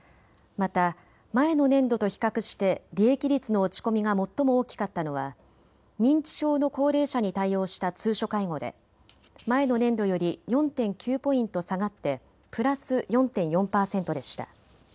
また前の年度と比較して利益率の落ち込みが最も大きかったのは認知症の高齢者に対応した通所介護で前の年度より４．９ポイント下がってプラス４．４％でした。